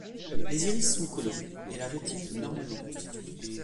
Les iris sont colorés et la rétine normalement constituée.